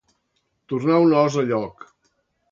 Tornar un os a lloc.